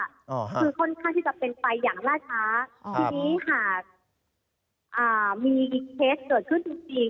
คือค่อนข้างที่จะเป็นไปอย่างล่าช้าทีนี้หากมีเคสเกิดขึ้นจริงจริง